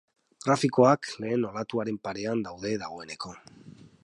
Grafikoak lehen olatuaren parean daude dagoeneko.